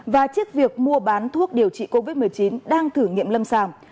và trước việc mua bán thuốc điều trị covid một mươi chín đang thử nghiệm lâm sàng